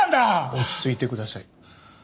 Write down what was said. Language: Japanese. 落ち着いてください。